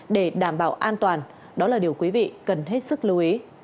để đảm bảo an toàn đó là điều quý vị cần hết sức lưu ý